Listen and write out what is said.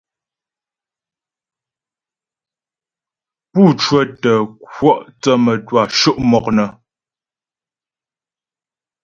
Pú cwə́tə kwɔ' thə́ mə́twâ sho' mɔk nə.